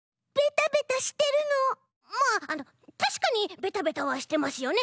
まあたしかにベタベタはしてますよね。